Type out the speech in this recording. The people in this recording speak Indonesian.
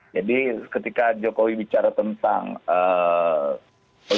jadi ketika jokowi bicara tentang ojo ke susu itu